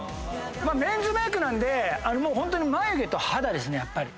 メンズメイクなんでホントに眉毛と肌ですね。